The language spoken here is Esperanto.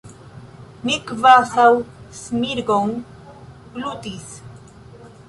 Mi kvazaŭ smirgon glutis.